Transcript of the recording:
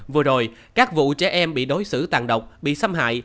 vừa rồi các vụ trẻ em bị đối xử tàn độc bị xâm hại